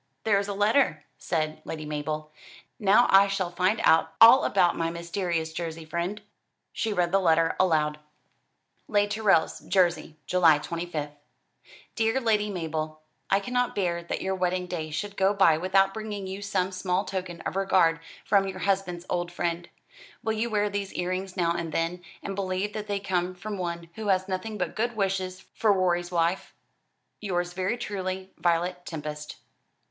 "There is a letter," said Lady Mabel. "Now I shall find out all about my mysterious Jersey friend." She read the letter aloud. "Les Tourelles, Jersey, July 25th. "Dear Lady Mabel, I cannot bear that your wedding day should go by without bringing you some small token of regard from your husband's old friend. Will you wear these earrings now and then, and believe that they come from one who has nothing but good wishes for Rorie's wife? Yours very truly, "VIOLET TEMPEST."